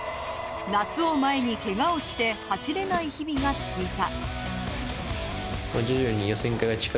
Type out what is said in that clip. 夏を前にけがをして走れない日々が続いた。